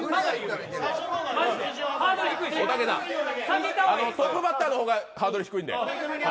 おたけさんトップバッターの方がハードル低いんで。